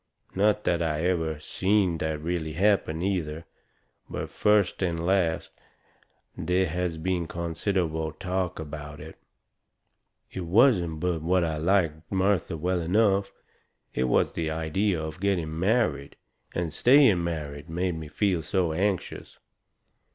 Not that I ever seen that really happen, either; but first and last there has been considerable talk about it. It wasn't but what I liked Martha well enough. It was the idea of getting married, and staying married, made me feel so anxious.